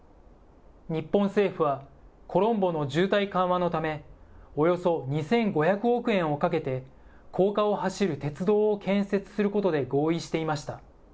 日本政府は、コロンボの渋滞緩和のため、およそ２５００億円をかけて、高架を走る鉄道を建設することで合意していました。